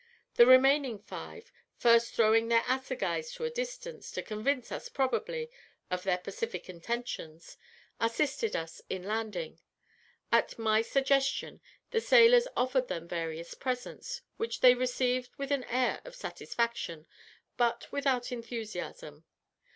The remaining five, first throwing their assegais to a distance, to convince us, probably, of their pacific intentions, assisted us in landing. At my suggestion, the sailors offered them various presents, which they received with an air of satisfaction, but without enthusiasm.